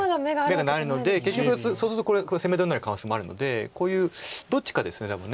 眼がないので結局そうするとこれ攻め取れない可能性もあるのでこういうどっちかです多分。